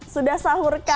sudah sahur kan